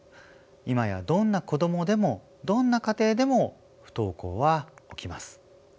今やどんな子どもでもどんな家庭でも不登校は起きます。